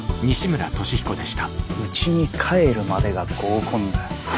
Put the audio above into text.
うちに帰るまでが合コン。